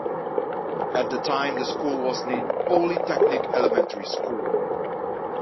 At the time, the school was named Polytechnic Elementary School.